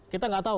kita tidak tahu